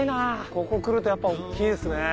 ここ来るとやっぱ大っきいですね。